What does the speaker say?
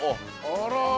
あら。